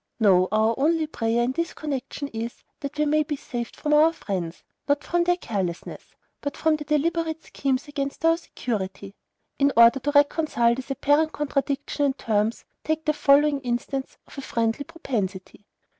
No; our only prayer, in this connection, is that we may be saved from our friends; not from their carelessness, but from their deliberate schemes against our security. In order to reconcile this apparent contradiction in terms, take the following instance of a friendly propensity.